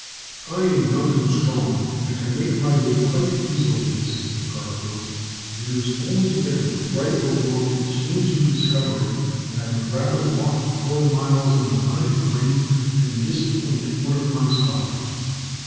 "I am young and strong, and can make my way quite easily," insisted Garfield. "It is always better to right a wrong as soon as you discover it, and I would rather walk the four miles in the mud and rain than disappoint one of my scholars.